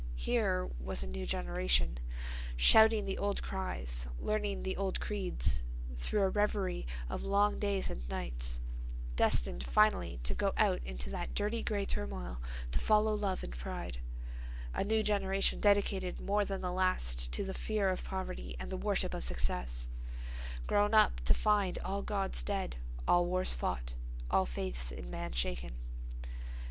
Here was a new generation, shouting the old cries, learning the old creeds, through a revery of long days and nights; destined finally to go out into that dirty gray turmoil to follow love and pride; a new generation dedicated more than the last to the fear of poverty and the worship of success; grown up to find all Gods dead, all wars fought, all faiths in man shaken....